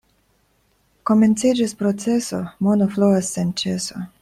Komenciĝis proceso, mono fluas sen ĉeso.